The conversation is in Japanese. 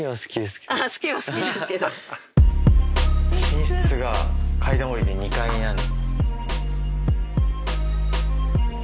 寝室が階段下りて２階にある。